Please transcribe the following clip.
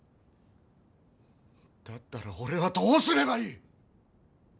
だったら俺はどうすればいい！